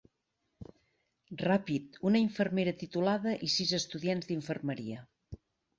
Ràpid, una infermera titulada i sis estudiants d'infermeria.